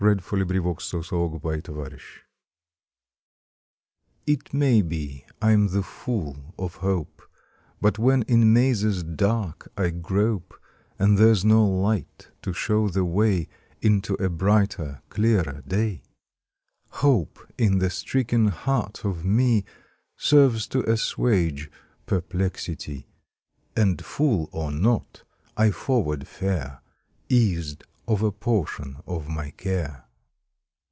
March Twenty seventh THE WISE FOOL TT may be I'm the Fool of Hope, But when in mazes dark I grope And there's no light to show the way Into a brighter, clearer day, Hope in the stricken heart of me Serves to assuage perplexity, And Fool or not I forward fare Eased of a portion of my care.